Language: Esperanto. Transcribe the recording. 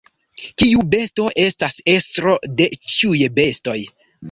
Kiu besto estas estro de ĉiuj bestoj?